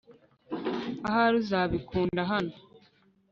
ahari uzabikunda hano